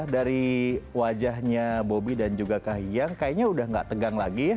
dari wajahnya bobby dan juga kahian kayaknya udah nggak tegang lagi ya